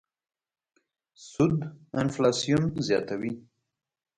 سود انفلاسیون زیاتوي.